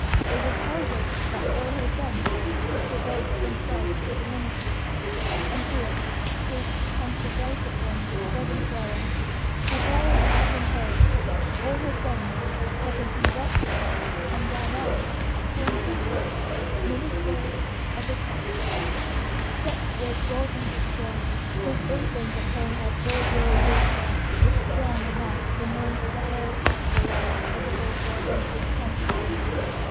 It was her wish that all her sons should devote themselves to the ministry, and to it she consecrated them with fervent prayer. Her prayers have been heard. All her sons have been converted and are now, according to her wish, ministers of Christ." Such was Roxanna Beecher, whose influence upon her four year old daughter was strong enough to mould the whole after life of the author of "Uncle Tom's Cabin."